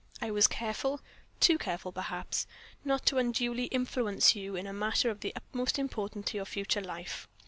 I was careful too careful, perhaps not to unduly influence you in a matter of the utmost importance to your future life.